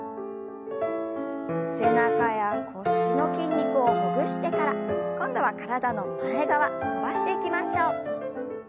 背中や腰の筋肉をほぐしてから今度は体の前側伸ばしていきましょう。